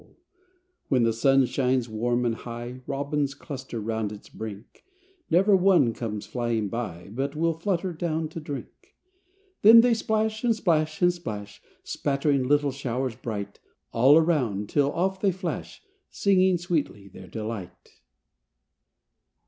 [Illustration: THE BIRDS' BATH] When the sun shines warm and high Robins cluster round its brink, Never one comes flying by But will flutter down to drink. Then they splash and splash and splash, Spattering little showers bright All around, till off they flash Singing sweetly their delight.